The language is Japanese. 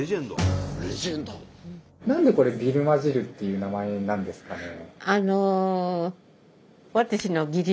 何でこれ「ビルマ汁」っていう名前なんですかね？